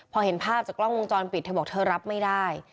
พอเห็นภาพจากกล้องวงจรปิดเธอบอกเธอรับไม่ได้